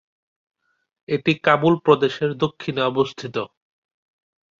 এটি কাবুল প্রদেশের দক্ষিণে অবস্থিত।